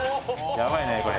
やばいねこれ。